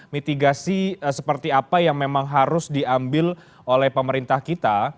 mitigasi seperti apa yang memang harus diambil oleh pemerintah kita